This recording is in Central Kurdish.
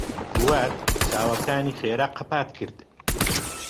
فواد چاوەکانی خێرا قەپات کرد.